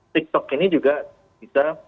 tiktok ini juga bisa